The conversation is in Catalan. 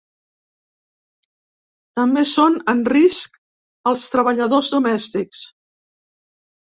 També són en risc els treballadors domèstics.